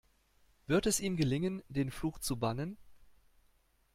Wird es ihm gelingen, den Fluch zu bannen?